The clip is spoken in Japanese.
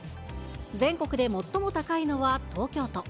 全国で最も高いのは東京都。